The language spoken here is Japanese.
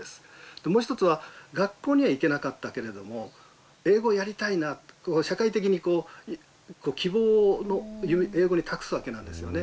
でもう一つは学校には行けなかったけれども英語をやりたいな社会的に希望を英語に託すわけなんですよね。